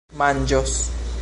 manĝos